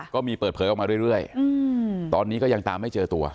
ก็มีเปิดเผยออกมาเรื่อยตอนนี้ก็ยังตามไม่เจอตัว